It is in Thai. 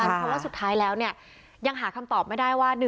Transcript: เพราะว่าสุดท้ายแล้วยังหาคำตอบไม่ได้ว่า